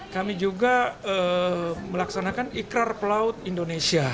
kami juga melaksanakan ikrar pelaut indonesia